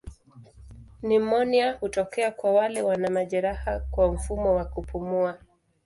Nimonia hutokea kwa wale wana majeraha kwa mfumo wa kupumua.